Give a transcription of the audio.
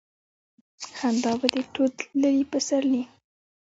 خندا به دې ټول تللي پسرلي